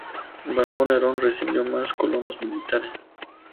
Bajo Nerón recibió más colonos militares.